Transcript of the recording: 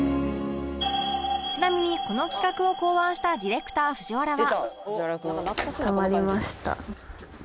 ちなみにこの企画を考案したディレクター藤原は